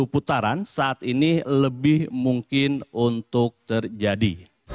sepuluh putaran saat ini lebih mungkin untuk terjadi